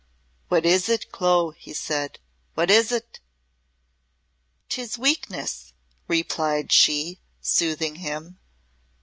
"What is it, Clo?" he said. "What is't?" "'Tis weakness," replied she, soothing him.